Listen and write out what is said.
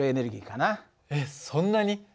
えっそんなに？